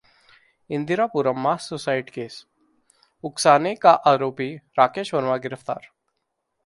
Indirapuram mass suicide case, उकसाने का आरोपी राकेश वर्मा गिरफ्तार